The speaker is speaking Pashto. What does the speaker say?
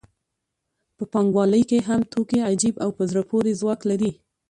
په پانګوالۍ کې هم توکي عجیب او په زړه پورې ځواک لري